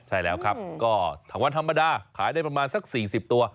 ใช่แล้วครับก็ถังวันธรรมดาขายได้ประมาณสัก๔๐ตัว